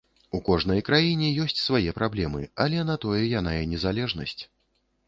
У кожнай краіне ёсць свае праблемы, але на тое яна і незалежнасць.